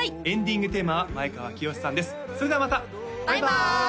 エンディングテーマは前川清さんです